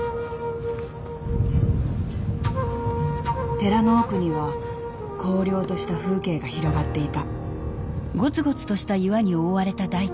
寺の奥には荒涼とした風景が広がっていた。